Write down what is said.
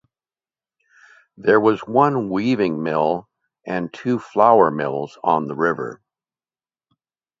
There was one weaving mill and two flour mills on the river.